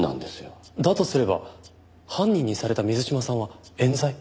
だとすれば犯人にされた水島さんは冤罪？